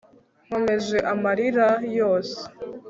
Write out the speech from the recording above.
nkomeje amarira yose